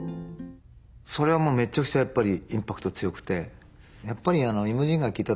それはもうめちゃくちゃやっぱりインパクト強くて。